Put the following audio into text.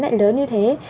lại lớn như thế